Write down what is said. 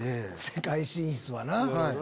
世界進出はな。